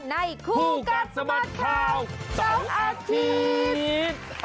ในคู่กัดสบัดข่าวสองอาทิตย์